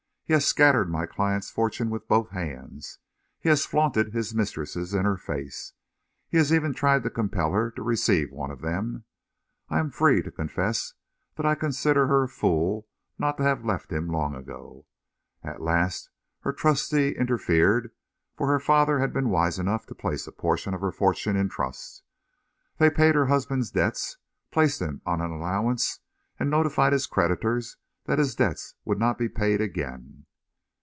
He has scattered my client's fortune with both hands. He has flaunted his mistresses in her face. He has even tried to compel her to receive one of them. I am free to confess that I consider her a fool not to have left him long ago. At last her trustees interfered, for her father had been wise enough to place a portion of her fortune in trust. They paid her husband's debts, placed him on an allowance, and notified his creditors that his debts would not be paid again."